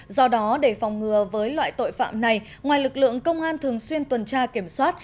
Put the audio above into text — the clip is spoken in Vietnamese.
do đó để phòng ngừa với loại tội phạm này ngoài lực lượng công an thường xuyên tuần tra kiểm soát